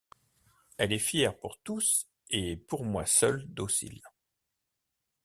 Elle est fière pour tous et pour moi seul docile.